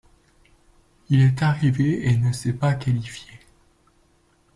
Il est arrivé en et ne s'est pas qualifié.